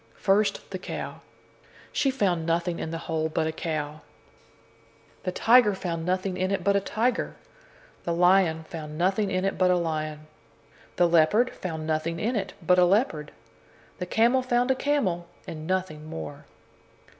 First, the cow. She found nothing in the hole but a cow. The tiger found nothing in it but a tiger. The lion found nothing in it but a lion. The leopard found nothing in it but a leopard. The camel found a camel, and nothing more.